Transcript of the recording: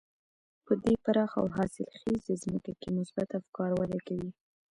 په دې پراخه او حاصلخېزه ځمکه کې مثبت افکار وده کوي.